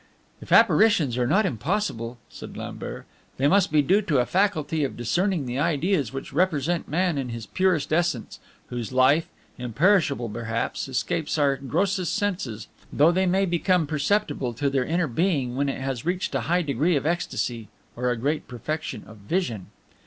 "If apparitions are not impossible," said Lambert, "they must be due to a faculty of discerning the ideas which represent man in his purest essence, whose life, imperishable perhaps, escapes our grosser senses, though they may become perceptible to the inner being when it has reached a high degree of ecstasy, or a great perfection of vision."